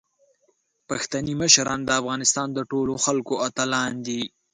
پښتني مشران د افغانستان د ټولو خلکو اتلان دي.